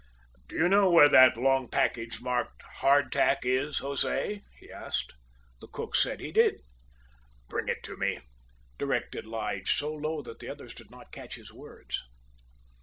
"Do you know where that long package marked 'hard tack' is, Jose?" he asked. The cook said he did. "Bring it to me," directed Lige so low that the others did not catch his words.